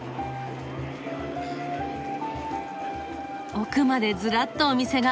奥までずらっとお店が。